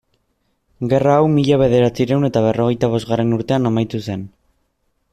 Gerra hau mila bederatziehun eta berrogeita bosgarren urtean amaitu zen.